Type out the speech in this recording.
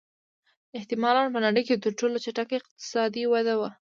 احتمالًا په نړۍ کې تر ټولو چټکه اقتصادي وده وه.